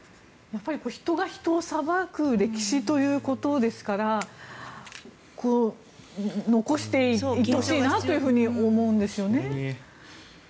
人が人を裁く歴史ということですから残していってほしいなと思うんですよね。